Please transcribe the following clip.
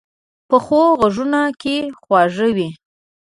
پخو غږونو کې خواږه وي